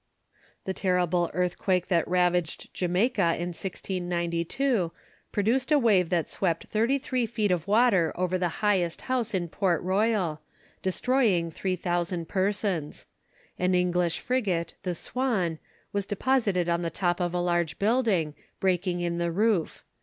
The terrible earthquake that ravaged Jamaica in 1692, produced a wave that swept thirty three feet of water over the highest house in Port Royal, destroying 3,000 persons. An English frigate, the Swan, was deposited on the top of a large building, breaking in the roof.